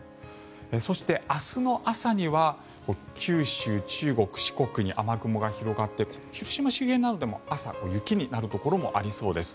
そして、明日の朝には九州、中国、四国に雨雲が広がって広島周辺などでも朝、雪になるところもありそうです。